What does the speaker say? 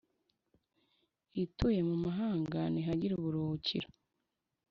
ituye mu mahanga ntihagira uburuhukiro,